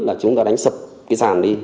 là chúng ta đánh sập cái sản đi